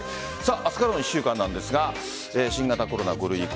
明日からの１週間なんですが新型コロナ５類に移行。